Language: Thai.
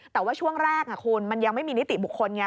แต่ว่าช่วงแรกคุณมันยังไม่มีนิติบุคคลไง